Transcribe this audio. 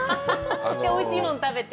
おいしいものを食べて。